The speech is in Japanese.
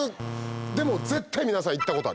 でも絶対皆さん行ったことあります。